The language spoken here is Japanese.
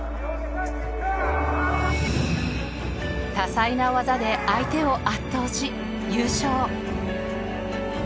多才な技で相手を圧倒し。